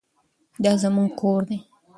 دا زموږ کور دی.